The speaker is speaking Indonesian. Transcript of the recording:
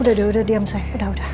udah udah udah diam saya